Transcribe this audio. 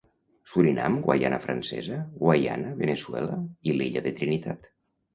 Surinam, Guaiana Francesa, Guaiana, Veneçuela i l'illa de Trinitat.